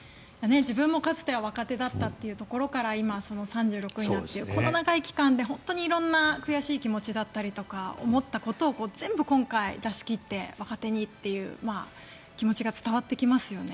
自分もかつては若手だったというところから今、３６になってこの長い期間で本当に色んな悔しい気持ちだったり思ったことを全部、今回、出し切って若手にという気持ちが伝わってきますよね。